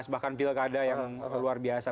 bahkan pilkada yang luar biasa